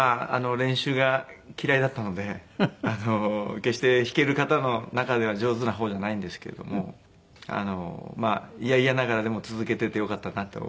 練習が嫌いだったので決して弾ける方の中では上手な方じゃないんですけれどもまあ嫌々ながらでも続けててよかったなと。